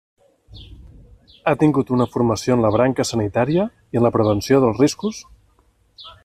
Ha tingut una formació en la branca sanitària i en la prevenció dels riscos.